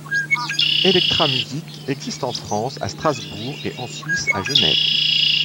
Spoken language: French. Elektramusic existe en France à Strasbourg et en Suisse à Genève.